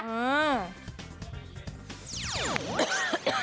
อืม